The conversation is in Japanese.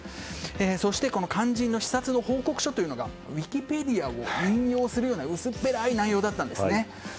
そして肝心の視察の報告書というのがウィキペディアを引用するような薄っぺらい内容だったんですね。